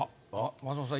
松本さん